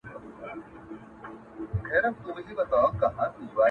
د دې کور مالک غلام حيدر خان نومېدی.